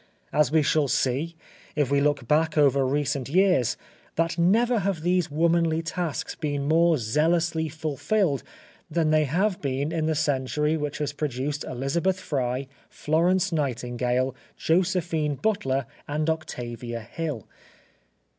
And we shall see, if we look back over recent years, that never have these womanly tasks been more zealously fulfilled than they have been in the century which has produced Elizabeth Fry, Florence Nightingale, Josephine Butler, and Octavia Hill.